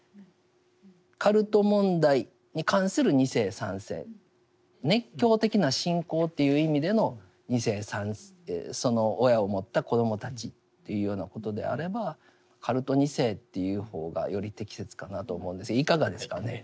カルト問題に関する２世３世熱狂的な信仰という意味での２世３世その親を持った子どもたちというようなことであればカルト２世と言う方がより適切かなと思うんですけどいかがですかね？